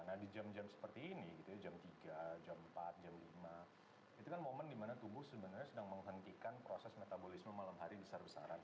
nah di jam jam seperti ini gitu ya jam tiga jam empat jam lima itu kan momen dimana tubuh sebenarnya sedang menghentikan proses metabolisme malam hari besar besaran